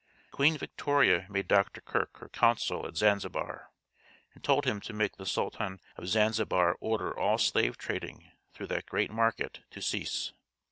Queen Victoria made Dr. Kirk her consul at Zanzibar, and told him to make the Sultan of Zanzibar order all slave trading through that great market to cease.